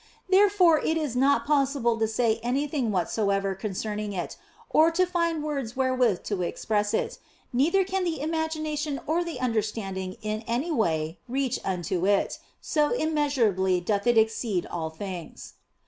Therefore is it not possible to say anything whatsoever concerning it, or to find words wherewith to express it ; neither can the imagination or the understanding in any way reach unto it, so immeasurably doth it exceed all things.